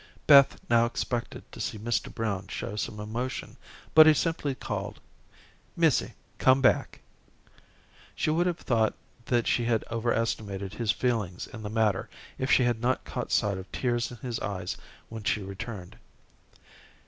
Beth now expected to see Mr. Brown show some emotion, but he simply called, "Missy, come back." She would have thought that she had overestimated his feelings in the matter if she had not caught sight of tears in his eyes when she returned.